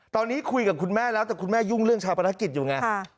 ตอนนี้คุยกับคุณแม่แล้วแต่คุณแม่ยุ่งเรื่องชาวประนักกิจอยู่ไง